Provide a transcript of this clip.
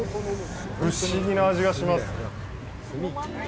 不思議な味がします。